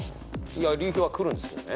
流氷は来るんですけどね。